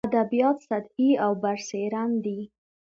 ادبیات سطحي او برسېرن دي.